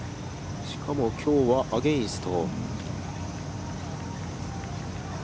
しかも、きょうはアゲインスト。